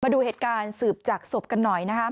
มาดูเหตุการณ์สืบจากศพกันหน่อย